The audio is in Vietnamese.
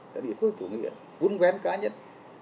là địa phương chủ nghĩa vun vén cá nhân